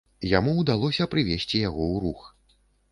Яму ўдалося прывесці яго ў рух.